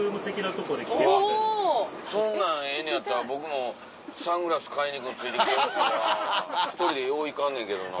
そんなんええねやったら僕もサングラス買いに行くのついてきてほしいわ１人でよう行かんねんけどな。